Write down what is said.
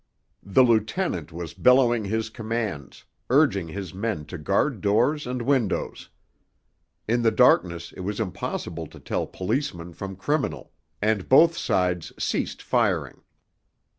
The lieutenant was bellowing his commands, urging his men to guard doors and windows. In the darkness it was impossible to tell policeman from criminal, and both sides ceased firing.